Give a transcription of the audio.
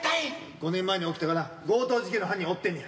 ５年前に起きたな強盗事件の犯人を追ってんねや。